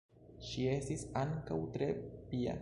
Ŝi estis ankaŭ tre pia.